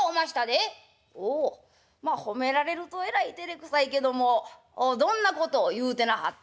「おおまあ褒められるとえらいてれくさいけどもどんなことを言うてなはった？」。